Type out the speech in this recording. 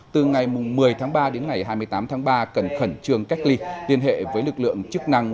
từ ngày một mươi tháng ba đến ngày hai mươi tám tháng ba cần khẩn trương cách ly liên hệ với lực lượng chức năng